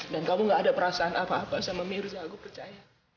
dan kamu gak ada perasaan apa apa sama mirza aku percaya